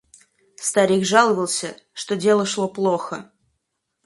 Старик жаловался, что дело шло плохо.